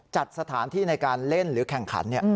จัดสถานที่ในการเล่นหรือแข่งขัน